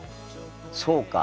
そうか。